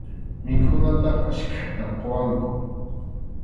Mikhunataqa achkatam quwaqku.